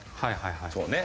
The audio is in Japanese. そうね。